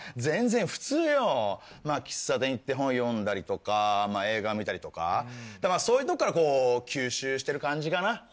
全然普通よまぁ喫茶店行って本読んだりとか映画見たりとかそういうとこからこう吸収してる感じかな。